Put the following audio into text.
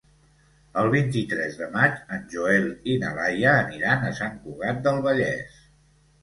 El vint-i-tres de maig en Joel i na Laia aniran a Sant Cugat del Vallès.